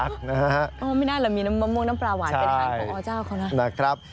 ไม่ได้เหรอมีมะม่วงน้ำปลาหวานเป็นทางของอเจ้าเขานะ